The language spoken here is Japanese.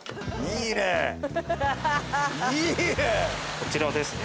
こちらですね。